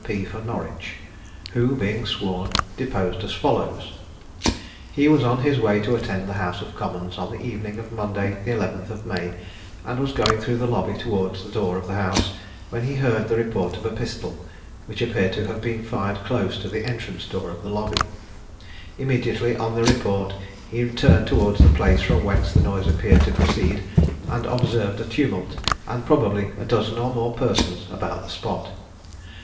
P. for Norwich), who, being sworn, deposed as follows: He was on his way to attend the House of Commons on the evening of Monday, the 11th of May, and was going through the lobby towards the door of the house, when he heard the report of a pistol, which appeared to have been fired close to the entrance door of the lobby. Immediately on the report, he turned towards the place from whence the noise appeared to proceed, and observed a tumult, and probably a dozen or more persons about the spot.